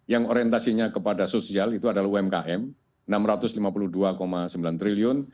yang orientasinya kepada sosial itu adalah umkm rp enam ratus lima puluh dua sembilan triliun